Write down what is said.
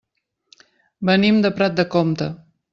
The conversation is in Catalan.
Venim de Prat de Comte.